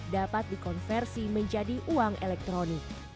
dapat dikonversi menjadi uang elektronik